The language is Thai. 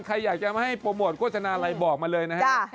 ใครอยากจะมาให้โปรโมทโฆษณาอะไรบอกมาเลยนะฮะ